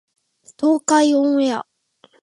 東海オンエア